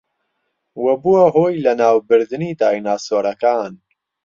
و بووە هۆی لەناوبردنی دایناسۆرەکان